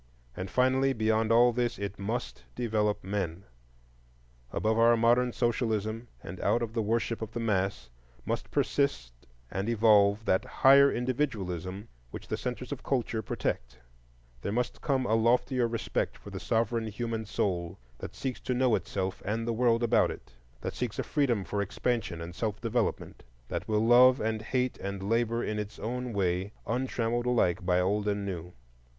And finally, beyond all this, it must develop men. Above our modern socialism, and out of the worship of the mass, must persist and evolve that higher individualism which the centres of culture protect; there must come a loftier respect for the sovereign human soul that seeks to know itself and the world about it; that seeks a freedom for expansion and self development; that will love and hate and labor in its own way, untrammeled alike by old and new.